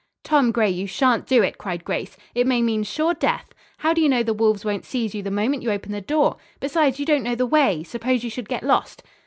"Tom Gray, you shan't do it!" cried Grace. "It may mean sure death. How do you know the wolves won't seize you the moment you open the door? Besides, you don't know the way. Suppose you should get lost?"